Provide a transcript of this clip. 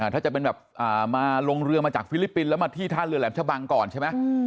ถ้าจะเป็นแบบมาลงเรือมาจากฟิลิปปินส์แล้วมาที่ท่าเรือแหลมชะบังก่อนใช่ไหม